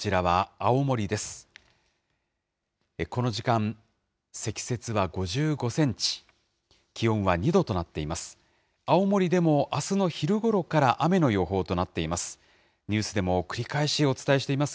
青森でもあすの昼ごろから雨の予報となっています。